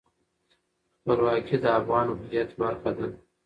خپلواکي د افغان هویت برخه ده.